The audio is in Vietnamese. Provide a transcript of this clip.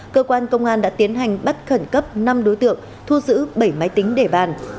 cơ quan công an đã tiến hành bắt khẩn cấp năm đối tượng thu giữ bảy máy tính để bàn